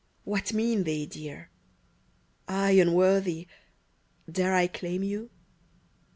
. What mean they, dear ? I, unworthy, — dare I claim you